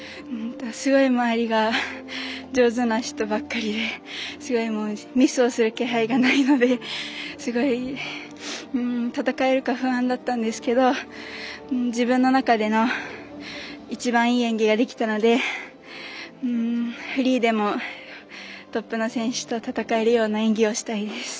すごい、周りが上手な人ばかりでミスをする気配がないのですごい戦えるか不安だったんですけど自分の中での一番いい演技ができたのでフリーでもトップの選手と戦えるような演技をしたいです。